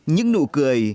những nụ cười